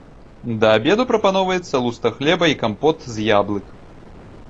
Да абеду прапаноўваецца луста хлеба і кампот з яблык.